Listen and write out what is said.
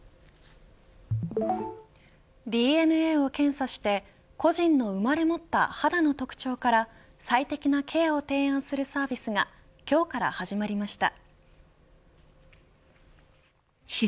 ＤＮＡを検査して個人の生まれ持った肌の特徴から最適なケアを提案するサービスが今日から始まりました。